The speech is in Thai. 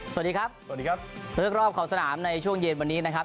สวัสดีครับสวัสดีครับเรื่องรอบขอบสนามในช่วงเย็นวันนี้นะครับ